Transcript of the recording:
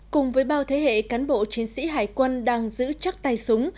cùng với bao thế hệ cán bộ chiến sĩ hải quân đang giữ chắc tay súng